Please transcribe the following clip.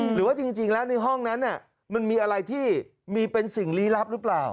หรือว่าจริงแล้วในห้องนั้นมันมีอะไรที่มีเป็นสิ่งลี้ลับหรือเปล่า